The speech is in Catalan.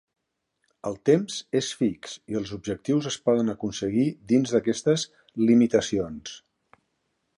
El temps és fix i els objectius es poden aconseguir dins d’aquestes limitacions.